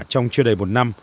trong chưa đầy một năm